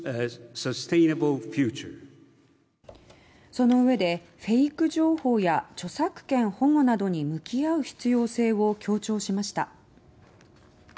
そのうえでフェイク情報や著作権保護などに向き合う必要性を強調しました。